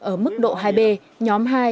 ở mức độ hai b nhóm hai